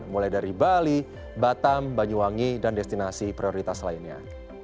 mulai dari bali batam banyuwangi dan destinasi prioritas lainnya